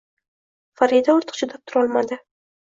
Farida ortiq chidab turolmadi